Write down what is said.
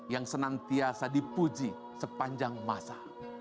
yang senantiasa dipuji sepanjang masa